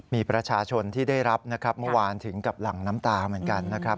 มีประชาชนที่ได้รับนะครับเมื่อวานถึงกับหลั่งน้ำตาเหมือนกันนะครับ